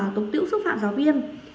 tục tiểu xúc phạm giáo viên